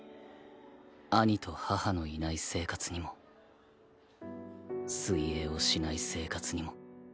兄と母のいない生活にも水泳をしない生活にも